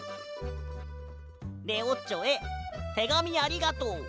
「レオッチョへてがみありがとう。